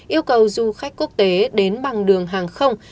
yêu cầu du khách quốc tế đến bằng đường hàng không